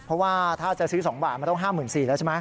เพราะว่าถ้าจะซื้อ๒บาทมันต้อง๕๔๐๐แล้วใช่ไหม